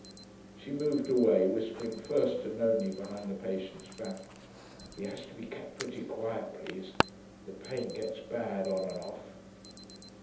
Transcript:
She moved away, whispering first to Nonie behind the patient's back, 'He has to be kept pretty quiet, please; the pain gets bad on and off.'